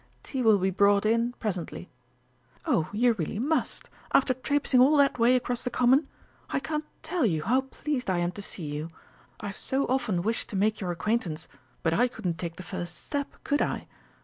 Tea will be brought in presently.... Oh, you really must, after trapesing all that way across the Common. I can't tell you how pleased I am to see you. I've so often wished to make your acquaintance, but I couldn't take the first step, could I?